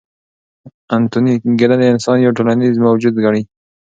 انتوني ګیدنز انسان یو ټولنیز موجود ګڼي.